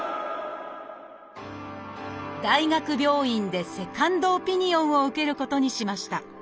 大学病院でセカンドオピニオンを受けることにしました。